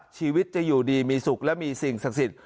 ชีวิตจะอยู่ดีมีสุขและมีสิ่งศักดิ์สิทธิ์